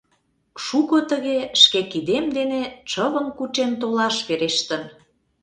Шуко тыге шке кидем дене чывым кучен толаш верештын.